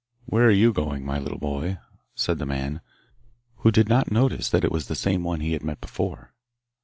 'Where are you going, my little boy?' said the man, who did not notice that it was the same one he had met before.